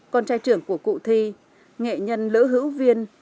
con trai trưởng của cụ thi nghệ nhân lữ hữu viên